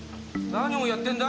何をやってんだ？